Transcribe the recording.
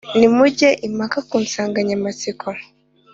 nimuge impaka ku nsanganyamatsiko